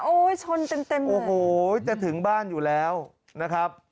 ชนเต็มเต็มเลยโอ้โหจะถึงบ้านอยู่แล้วนะครับ